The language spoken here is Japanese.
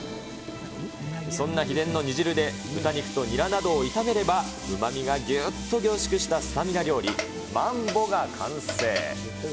そんな秘伝の煮汁で豚肉とニラなどを炒めれば、うまみがぎゅっと凝縮したスタミナ料理、マンボが完成。